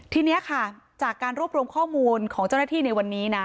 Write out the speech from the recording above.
ทีนี้ค่ะจากการรวบรวมข้อมูลของเจ้าหน้าที่ในวันนี้นะ